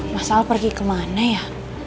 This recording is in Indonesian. mas al pergi kemana ya